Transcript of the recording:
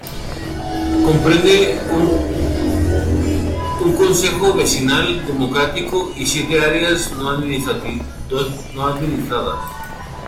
Comprende un consejo vecinal democrático, y siete áreas no administradas.